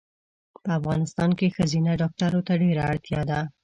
په افغانستان کې ښځېنه ډاکټرو ته ډېره اړتیا ده